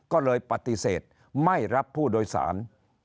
ก็เลยปฏิเสธไม่รับผู้โดยสาร